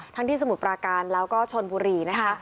ที่สมุทรปราการแล้วก็ชนบุรีนะคะ